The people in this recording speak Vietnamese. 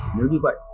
nếu như vậy